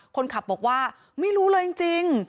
คนขับบอกว่าไม่รู้เลยจริง